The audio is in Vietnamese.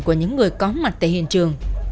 của những người có mặt tại hiện trường